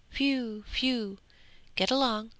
Whew! whew! get along!